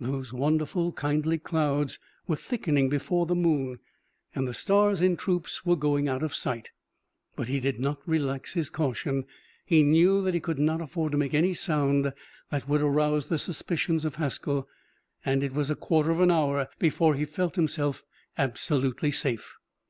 Those wonderful, kindly clouds were thickening before the moon, and the stars in troops were going out of sight. But he did not relax his caution. He knew that he could not afford to make any sound that would arouse the suspicions of Haskell, and it was a quarter of an hour before he felt himself absolutely safe.